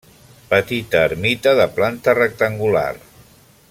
Petita ermita de planta rectangular.